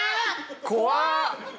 怖っ！